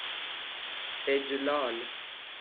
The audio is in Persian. اِجلال